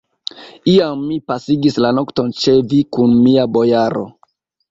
Iam mi pasigis la nokton ĉe vi kun mia bojaro.